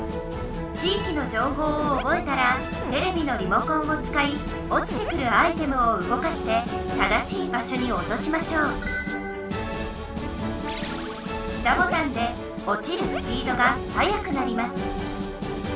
ちいきのじょうほうをおぼえたらテレビのリモコンをつかいおちてくるアイテムをうごかして正しいばしょにおとしましょう下ボタンでおちるスピードがはやくなります